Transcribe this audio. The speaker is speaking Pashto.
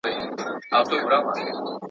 اختر چي تېر سي بیا به راسي.